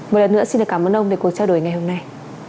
một lần nữa xin cảm ơn ông để cuộc trao đổi ngày hôm nay